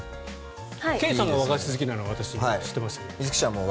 圭さんが和菓子好きなのは知ってますけどね。